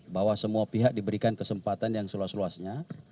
bahwa semua pihak diberikan kesempatan yang seluas luasnya